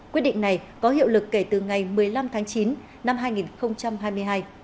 quyết định này có hiệu lực kể từ ngày một mươi năm tháng chín năm hai nghìn hai mươi hai